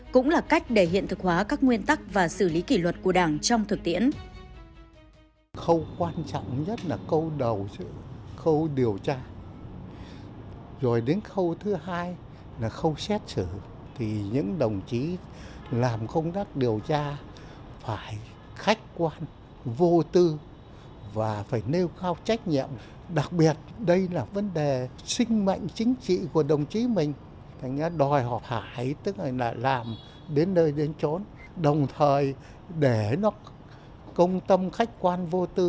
cũng là cách để hiện thực hóa các nguyên tắc và xử lý kỷ luật của đảng trong thực tiễn